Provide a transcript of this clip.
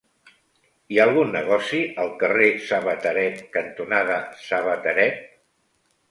Hi ha algun negoci al carrer Sabateret cantonada Sabateret?